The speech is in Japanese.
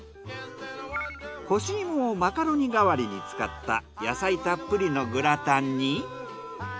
干し芋をマカロニ代わりに使った野菜たっぷりのグラタンに。